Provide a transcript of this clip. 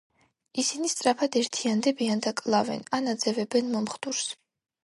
ისინი სწრაფად ერთიანდებიან და კლავენ, ან აძევებენ მომხდურს.